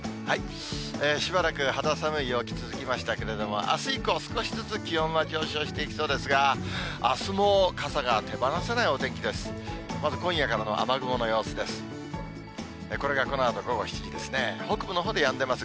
しばらく肌寒い陽気、続きましたけれども、あす以降、少しずつ気温は上昇していきそうですが、あすも傘が手放せないお天気です。